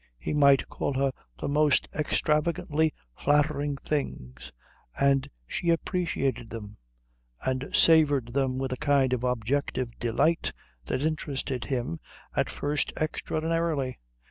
He might call her the most extravagantly flattering things, and she appreciated them and savoured them with a kind of objective delight that interested him at first extraordinarily.